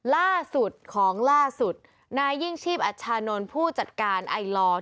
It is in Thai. ล่าสุดของล่าสุดนายยิ่งชีพอัชชานนท์ผู้จัดการไอลอร์